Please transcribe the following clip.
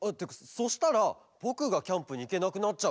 そしたらぼくがキャンプにいけなくなっちゃう。